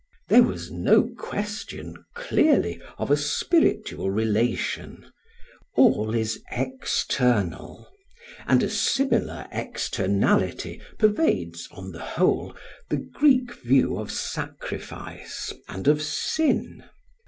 There was no question, clearly, of a spiritual relation; all is external; and a similar externality pervades, on the whole, the Greek view of sacrifice and of sin.